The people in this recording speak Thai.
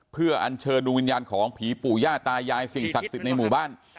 เพื่ออัญเชิญดวงวิญญาณของผีปู่ย่าตายายสิ่งศักดิ์สิทธิ์ในหมู่บ้าน